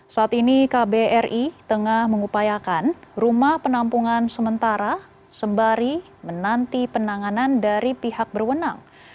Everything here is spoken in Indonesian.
saat ini kbri tengah mengupayakan rumah penampungan sementara sembari menanti penanganan dari pihak berwenang